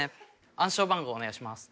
暗証番号お願いします。